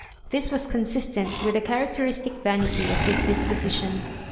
This was consistent with the characteristic vanity of his disposition.